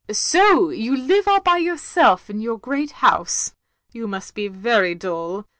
"So you live all by yourself in your great house. You must be very dull.